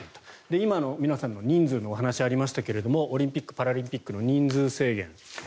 今の皆さんの人数のお話ありましたけどオリンピック・パラリンピックの人数制限。